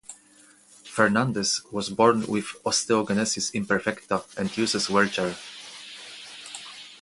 Fernandez was born with osteogenesis imperfecta and uses a wheelchair.